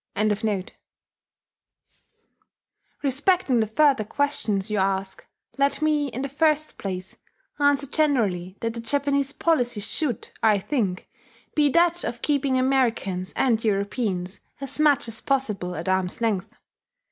] Respecting the further questions you ask, let me, in the first place, answer generally that the Japanese policy should, I think, be that of keeping Americans and Europeans as much as possible at arm's length.